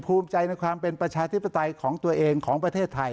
ภูมิใจในความเป็นประชาธิปไตยของตัวเองของประเทศไทย